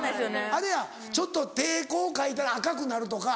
あれやちょっと手こうかいたら赤くなるとか。